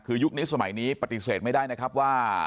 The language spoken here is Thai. คือยุคนี้สมัยนี้ปฏิเสธไม่ได้นะครับว่า